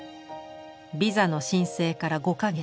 ビザの申請から５か月。